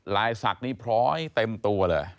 ลายศักดิ์นี่พร้อยเต็มตัวเลย